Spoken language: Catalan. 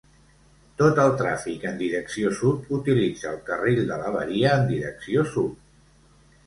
Tot el tràfic en direcció sud utilitza el carril de l'avaria en direcció sud.